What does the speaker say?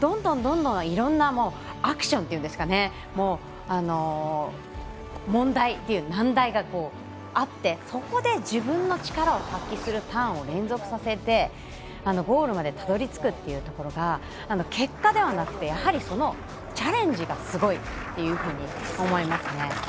どんどん、いろんなアクションというんですかね問題というか、難題があってそこで、自分の力を発揮するターンを連続させて、ゴールまでたどり着くというところが結果ではなくてそのチャレンジがすごいというふうに思いますね。